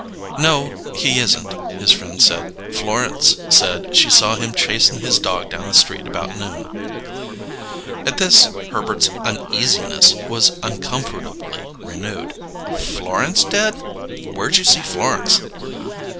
"No, he isn't," his friend said. "Florence said she saw him chasin' his dog down the street about noon." At this Herbert's uneasiness was uncomfortably renewed. "Florence did? Where'd you see Florence?"